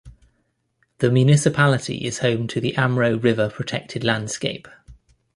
The municipality is home to the Amro River Protected Landscape.